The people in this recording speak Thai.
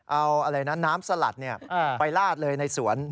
เอาอะไรนะน้ำสลัดไปลาดเลยในสวน